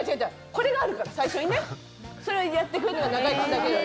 これがあるから、最初にね。それをやってくれるのは中居君だけだよ。